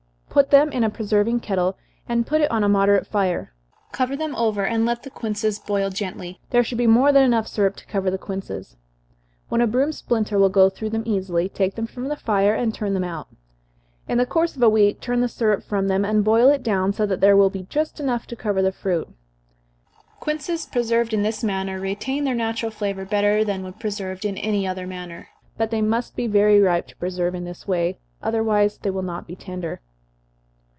Put them in a preserving kettle, and put it on a moderate fire cover them over, and let the quinces boil gently there should be more than enough syrup to cover the quinces. When a broom splinter will go through them easily, take them from the fire, and turn them out. In the course of a week, turn the syrup from them, and boil it down, so that there will be just enough to cover the fruit. Quinces preserved in this manner retain their natural flavor better than when preserved in any other manner, but they must be very ripe to preserve in this way, otherwise they will not be tender.